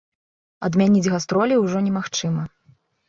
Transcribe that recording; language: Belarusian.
Адмяніць гастролі ўжо немагчыма.